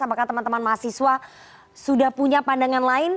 apakah teman teman mahasiswa sudah punya pandangan lain